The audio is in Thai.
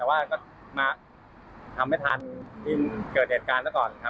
แต่ว่าก็มาทำไม่ทันที่เกิดเหตุการณ์ซะก่อนครับ